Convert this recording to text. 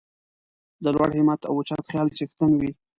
د لوړ همت او اوچت خیال څښتن وي.